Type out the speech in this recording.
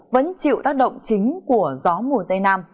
vẫn chịu tác động chính của gió mùa tây nam